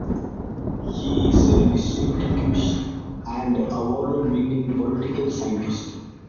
He is a distinguished and award-winning political scientist.